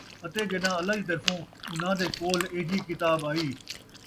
اَتے ڄَݙاں اللہ دِی طرفوں اُنہاں دے کولھ اِہجی کتاب آئی،